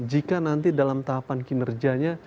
jika nanti dalam tahapan kinerjanya